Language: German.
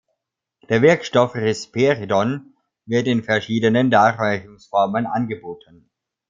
Der Wirkstoff Risperidon wird in verschiedenen Darreichungsformen angeboten.